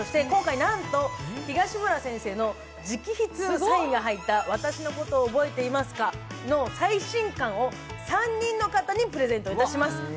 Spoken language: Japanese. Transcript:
今回なんと、東村先生の直筆サインが入った「私のことを憶えていますか」の最新巻を３人の方にプレゼントいたします。